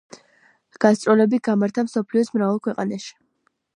გასტროლები გამართა მსოფლიოს მრავალ ქვეყანაში.